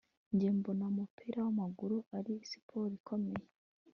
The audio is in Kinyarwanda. Njye mbona umupira wamaguru ari siporo ikomeye